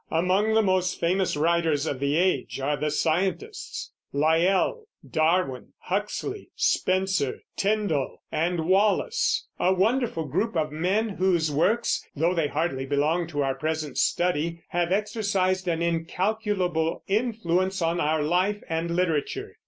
Among the most famous writers of the age are the scientists, Lyell, Darwin, Huxley, Spencer, Tyndall, and Wallace, a wonderful group of men whose works, though they hardly belong to our present study, have exercised an incalculable influence on our life and literature.